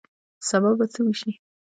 سبا به څه وشي